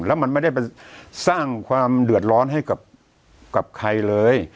แล้วมันไม่ได้ไปสร้างความเดือดร้อนให้กับใครเลย